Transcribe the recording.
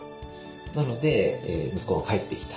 なので息子が帰ってきた。